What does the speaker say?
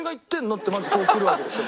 ってまずこうくるわけですよ